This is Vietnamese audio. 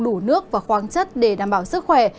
đủ nước và khoáng chất để đảm bảo sức khỏe